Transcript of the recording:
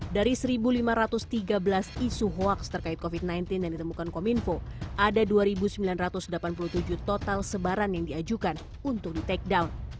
dari satu lima ratus tiga belas isu hoaks terkait covid sembilan belas yang ditemukan kominfo ada dua sembilan ratus delapan puluh tujuh total sebaran yang diajukan untuk di take down